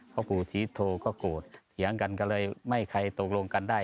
พ่อปู่ศรีโทก็โกรธเถียงกันก็เลยไม่ใครตกลงกันได้